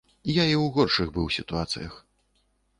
Я і ў горшых быў сітуацыях.